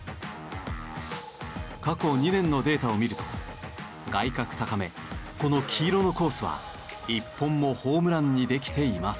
過去２年のデータを見ると外角高めこの黄色のコースは１本もホームランにできていません。